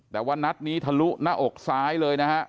แต่ว่านัดนี้ทะลุหน้าอกซ้ายเลยนะฮะ